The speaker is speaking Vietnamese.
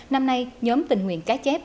năm nay nhóm tình nguyện cá chép